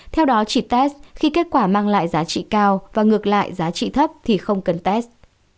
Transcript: theo đó chỉ test khi kết quả mang lại giá trị cao và ngược lại giá trị thấp thì không cần test